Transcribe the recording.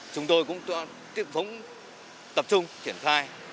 chúng tôi cũng tiếp tục tập trung thiển khai